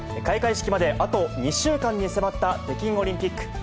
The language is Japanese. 開会式まであと２週間に迫った北京オリンピック。